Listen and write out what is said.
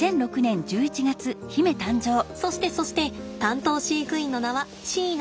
そしてそして担当飼育員の名は椎名。